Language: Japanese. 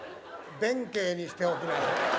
弁慶にしておきなさい。